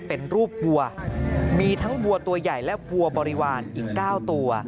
เป็นรูปวัวมีทั้งวัวตัวใหญ่และวัวบริวารอีก๙ตัว